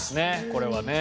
これはね。